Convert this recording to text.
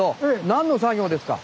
何の作業ですか？